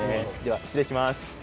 失礼します。